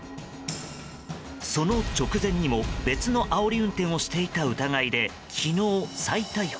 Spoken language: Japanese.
その直前にも別のあおり運転をしていた疑いで昨日、再逮捕。